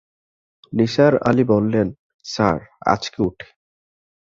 নিসার আলি বললেন, স্যার, আজ উঠি।